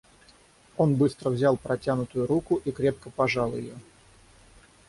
Он быстро взял протянутую руку и крепко пожал ее.